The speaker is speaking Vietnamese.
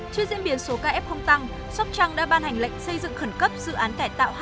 trước diễn biến số ca ép không tăng sóc trăng đã ban hành lệnh xây dựng khẩn cấp dự án cải tạo